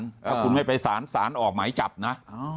ถ้าคุณไม่ไปสารสารออกหมายจับนะ